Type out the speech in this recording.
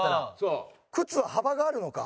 靴は幅があるのか。